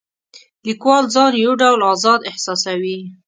لیکوال ځان یو ډول آزاد احساسوي.